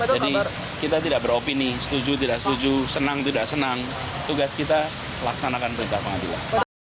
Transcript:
jadi kita tidak beropini setuju tidak setuju senang tidak senang tugas kita laksanakan perintah pengadilan